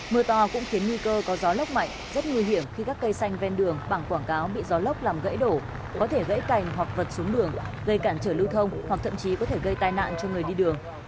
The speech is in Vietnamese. mưa to cũng khiến nguy cơ có gió lốc mạnh rất nguy hiểm khi các cây xanh ven đường bằng quảng cáo bị gió lốc làm gãy đổ có thể gãy cành hoặc vật xuống đường gây cản trở lưu thông hoặc thậm chí có thể gây tai nạn cho người đi đường